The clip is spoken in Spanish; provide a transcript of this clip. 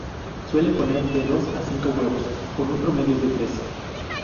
Suele poner de dos a cinco huevos, con un promedio de tres.